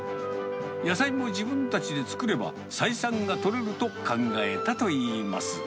野菜も自分たちで作れば採算が取れると考えたといいます。